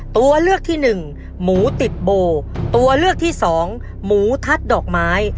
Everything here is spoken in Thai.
ตัวเลือกที่หนึ่งหมูติดโบตัวเลือกที่สองหมูทัดดอกไม้